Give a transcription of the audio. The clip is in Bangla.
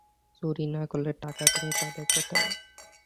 চুরি না করলে টাকা তুমি পাবে কোথায়?